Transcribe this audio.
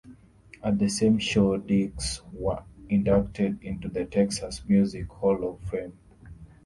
At the same show, Dicks were inducted into the Texas Music Hall of Fame.